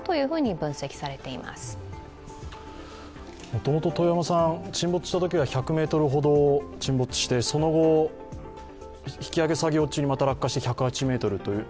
もともと沈没したときには１００ｍほど沈没して、その後、引き揚げ作業中にまた落下して１８０ｍという。